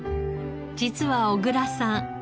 実は小倉さん